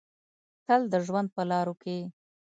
تل د ژوند په لاره کې